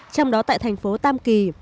trong đó tại thành phố tam kỳ